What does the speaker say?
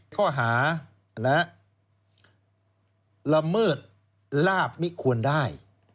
ข้อหาละเมิดลาบมิควรได้